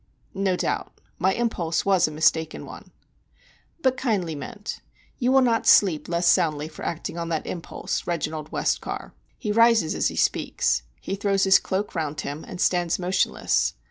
"No doubt. My impulse was a mistaken one." "But kindly meant. You will not sleep less soundly for acting on that impulse, Reginald Westcar." He rises as he speaks. He throws his cloak round him, and stands motionless.